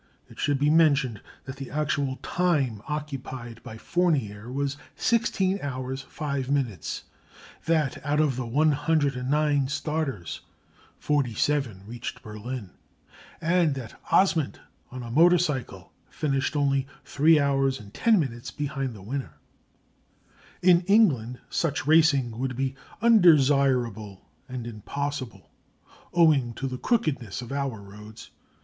It should be mentioned that the actual time occupied by Fournier was 16 hours 5 minutes; that out of the 109 starters 47 reached Berlin; and that Osmont on a motor cycle finished only 3 hours and 10 minutes behind the winner. In England such racing would be undesirable and impossible, owing to the crookedness of our roads.